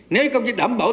nếu công chức đảm bảo